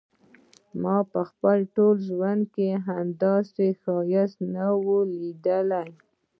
ما په خپل ټول ژوند کې همداسي ښایست نه و ليدلی.